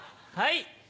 はい。